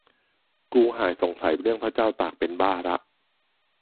"กูหายสงสัยเรื่องพระเจ้าตากเป็นบ้าละ"